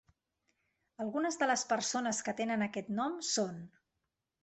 Algunes de les persones que tenen aquest nom són